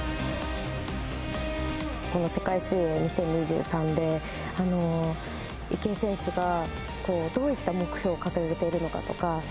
この世界水泳２０２３で池江選手がどういった目標を掲げているのかとか。